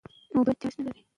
علم ناپوهي کموي.